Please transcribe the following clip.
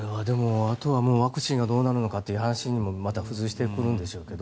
あとはワクチンがどうなるのかという話もまた付随してくるんでしょうけど。